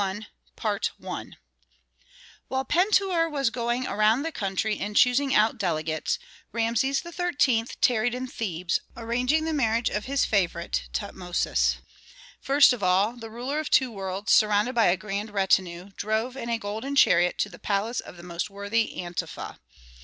CHAPTER LXI While Pentuer was going around the country and choosing out delegates, Rameses XIII. tarried in Thebes, arranging the marriage of his favorite, Tutmosis. First of all, the ruler of two worlds, surrounded by a grand retinue, drove in a golden chariot to the palace of the most worthy Antefa.